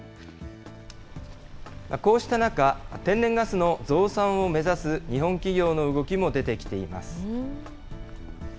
こうした中、天然ガスの増産を目指す日本企業の動きも出てきています。